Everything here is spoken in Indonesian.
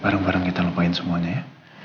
barang barang kita lupain semuanya ya